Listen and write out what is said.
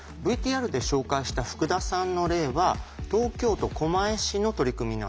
ＶＴＲで紹介した福田さんの例は東京都狛江市の取り組みなんですね。